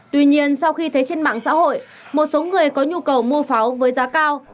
tuy nhiên sau khi thấy trên mạng xã hội một số người có nhu cầu mua pháo với giá cao